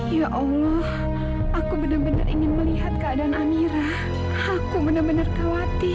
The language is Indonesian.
ya allah aku benar benar ingin melihat keadaan amira aku benar benar khawatir